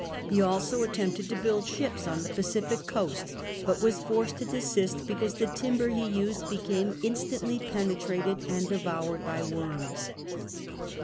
>Ie also attempted to build ships on the Pacific coast, but was forced to desist, because the timber he used became instantly penetrated and devoured by worms.